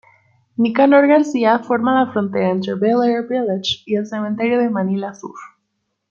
Nicanor García forma la frontera entre Bel-Air Village y el cementerio de Manila Sur.